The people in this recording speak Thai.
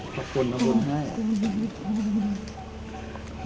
ขอบคุณขอบคุณให้อืม